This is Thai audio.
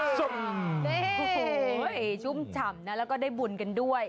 โอ้โหชุ่มฉ่ำนะแล้วก็ได้บุญกันด้วย